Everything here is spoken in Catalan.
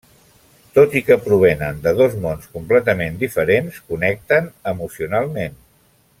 Tot i que provenen de dos mons completament diferents, connecten emocionalment.